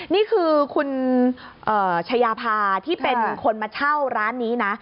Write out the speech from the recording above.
นี่คือคุณชายาพาที่เป็นคนมาเช่าร้านนี้นะ